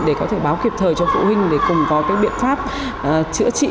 để có thể báo kịp thời cho phụ huynh để cùng có biện pháp chữa trị